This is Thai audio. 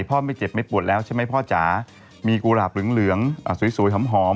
พ่อไม่เจ็บไม่ปวดแล้วใช่ไหมพ่อจ๋ามีกุหลับเหลืองเหลืองอ่ะสวยสวยหอมหอม